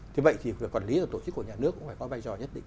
thế vậy thì việc quản lý của tổ chức của nhà nước cũng phải có vai trò nhất định